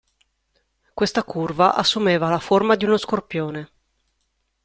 Questa curva assumeva la forma di uno scorpione.